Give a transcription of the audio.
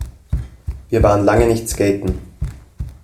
Wir waren lange nicht skaten.